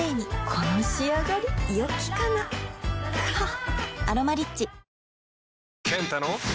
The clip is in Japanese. この仕上がりよきかなははっ